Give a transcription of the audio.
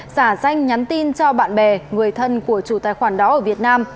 giả danh nhắn tin cho bạn bè người thân của chủ tài khoản đó ở việt nam